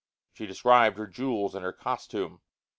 She described her jewels and her costume.